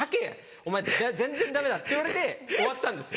お前全然ダメだ」って言われて終わったんですよ。